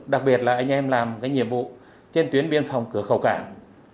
đặc biệt là anh em làm cái nhiệm vụ trên tuyến biên phòng cửa khẩu cảng